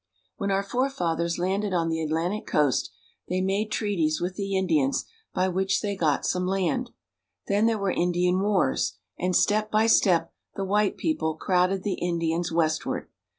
When our forefathers landed on the Atlantic coast, they made treaties with the Indians by which they got some land. Then there were Indian wars, and, step by step, the white people crowded the Indians westward.